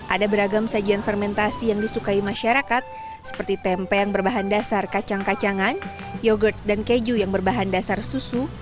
ada beragam sajian fermentasi yang disukai masyarakat seperti tempe yang berbahan dasar kacang kacangan yogurt dan keju yang berbahan dasar susu